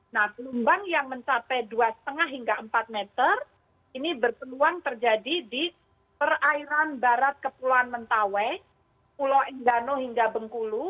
nah gelombang yang mencapai dua lima hingga empat meter ini berpeluang terjadi di perairan barat kepulauan mentawai pulau enggano hingga bengkulu